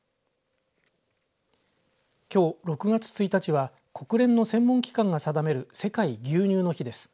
きょう６月１日は国連の専門機関が定める世界牛乳の日です。